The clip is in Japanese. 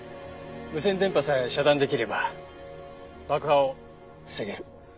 無線電波さえ遮断できれば爆破を防げる。